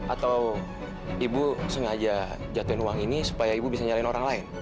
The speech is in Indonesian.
atau ibu sengaja jatuhin uang ini supaya ibu bisa nyalain orang lain